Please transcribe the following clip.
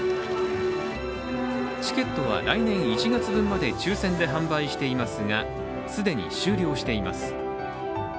チケットは来年１月分まで抽選で販売していますが既に終了しています。